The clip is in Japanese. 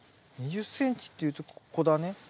２０ｃｍっていうとここだね。